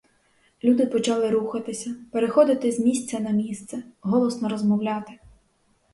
Люди почали рухатися, переходити з місця на місце, голосно розмовляти.